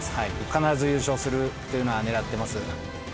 必ず優勝するというのは狙ってます。